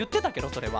それは。